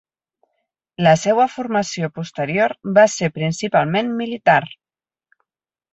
La seua formació posterior va ser principalment militar.